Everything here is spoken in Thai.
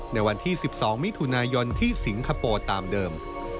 ในวันที่๑๒มิถุนายนที่สิงคโปร์ตามเดิม